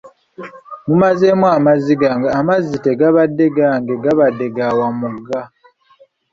Mumazeemu amazzi gange, amazzi tegabadde gange gabadde ga Wamugga.